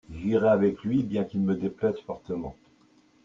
J'irai avec lui bien qu'il me déplaise fortement.